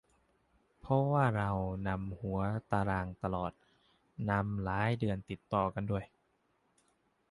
เพราะว่าเรานำหัวตารางตลอด นำหลายเดือนติดต่อกันด้วย